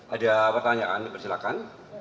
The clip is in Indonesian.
ada pertanyaan silakan